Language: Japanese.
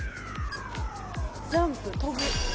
ジャンプ？跳ぶ？